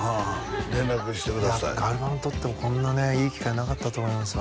連絡してくださいアルバロにとってもこんなねいい機会なかったと思いますわ